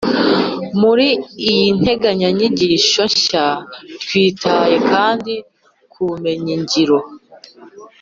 muri iyi nteganyanyigisho nshya twitaye kandi ku bumenyi ngiro